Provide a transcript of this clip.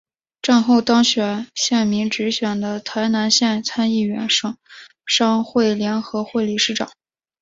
战后当选县民直选的台南县参议员省商会联合会理事长。